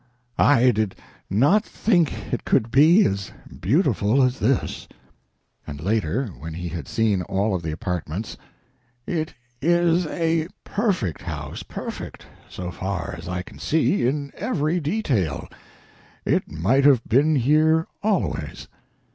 I did not think it could be as beautiful as this." And later, when he had seen all of the apartments: "It is a perfect house perfect, so far as I can see, in every detail. It might have been here always."